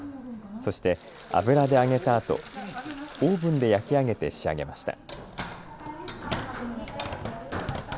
そして油で揚げたあとオーブンで焼き上げて仕上げました。